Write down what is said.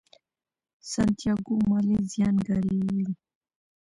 سانتیاګو مالي زیان ګالي.